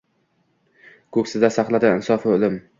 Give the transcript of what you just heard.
Ko‘ksida saqladi insofu imon.